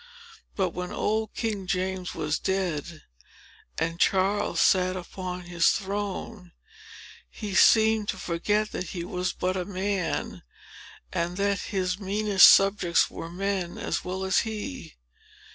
But, when old King James was dead, and Charles sat upon his throne, he seemed to forget that he was but a man, and that his meanest subjects were men as well as he.